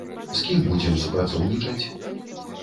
З кім будзем супрацоўнічаць?